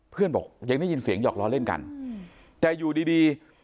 เพื่อนบอกยังได้ยินเสียงหยอกล้อเล่นกันแต่อยู่ดีดี